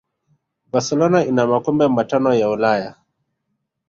barcelona ina makombe matano ya ulaya